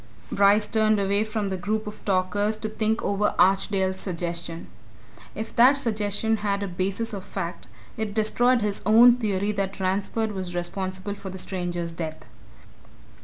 Bryce turned away from the group of talkers to think over Archdale's suggestion. If that suggestion had a basis of fact, it destroyed his own theory that Ransford was responsible for the stranger's death.